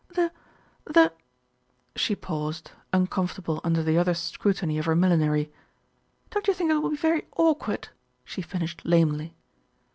"The the " She paused, uncomfortable under the other's scrutiny of her millinery. "Don't you think it will be very awkward?" she finished lamely.